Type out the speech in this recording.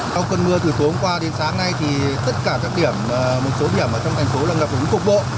sau cơn mưa từ tối hôm qua đến sáng nay thì tất cả các điểm một số điểm ở trong thành phố là ngập úng cục bộ